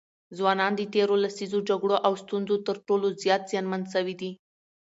ځوانان د تېرو لسیزو جګړو او ستونزو تر ټولو زیات زیانمن سوي دي.